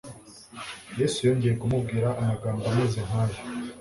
Yesu yongeye kumubwira amagambo ameze nk’ayo,